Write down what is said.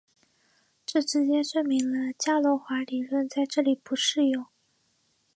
这直接证明了伽罗华理论在这里不适用。